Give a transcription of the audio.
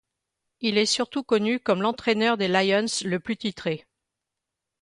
Il est surtout connu comme l'entraîneur des Lions le plus titré.